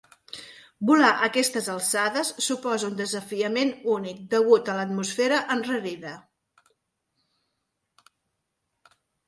Volar a aquestes alçades suposa un desafiament únic, degut a l'atmosfera enrarida.